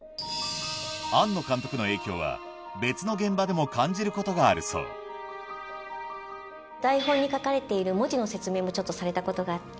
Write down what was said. は別の現場でも感じることがあるそう台本に書かれている文字の説明もちょっとされたことがあって。